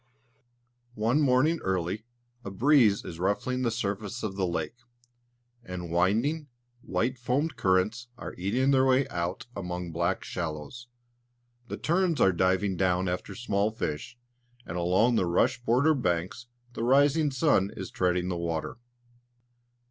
One morning early, a breeze is ruffling the surface of the lake, and winding, white foamed currents are eating their way out among black shallows. The terns are diving down after small fish, and along the rush bordered banks the rising sun is treading the water.